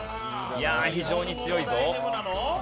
いやあ非常に強いぞ。